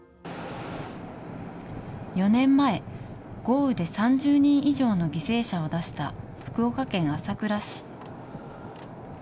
４年前、豪雨で３０人以上の犠牲者を出した福岡県朝倉市。